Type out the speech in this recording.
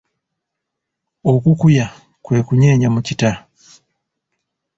Okukuya kwe kunyenya mu kita.